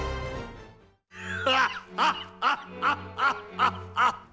ハッハッハッハハッハッハ！